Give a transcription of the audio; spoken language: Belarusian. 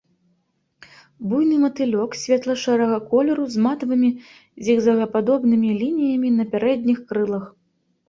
Буйны матылёк светла-шэрага колеру з матавымі зігзагападобнымі лініямі на пярэдніх крылах.